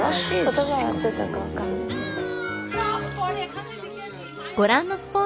言葉合ってたかわかんないですけど。